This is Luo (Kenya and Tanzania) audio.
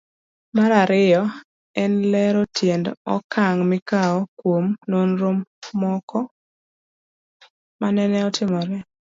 Mar ariyo en lero tiend okang' mikawo kuom nonro mogo manene otimore.